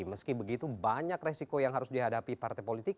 meski begitu banyak resiko yang harus dihadapi partai politik